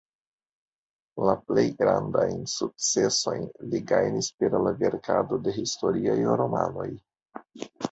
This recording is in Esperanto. La plej grandajn sukcesojn li gajnis per la verkado de historiaj romanoj.